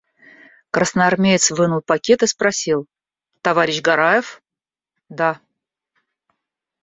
Красноармеец вынул пакет и спросил: – Товарищ Гараев? – Да.